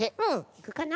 いくかな？